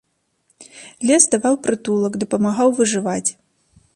Лес даваў прытулак, дапамагаў выжываць.